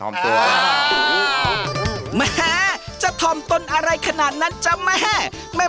แม่จะถ่อมตนอะไรขนาดนั้นจ๊ะแม่